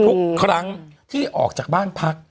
ทุกครั้งที่ออกจากบ้านพัก